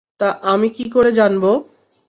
তা আমি কী করে জানবো?